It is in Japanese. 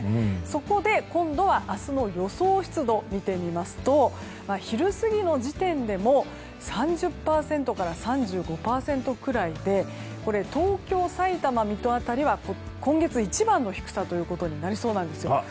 そこで、今度は明日の予想湿度を見てみますと昼過ぎの時点でも３０％から３５％くらいで東京、さいたま、水戸辺りは今月一番の低さとなりそうなんです。